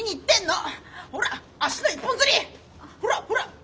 ほらほら！